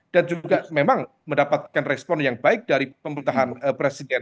dan juga memang mendapatkan respon yang baik dari pemerintahan presiden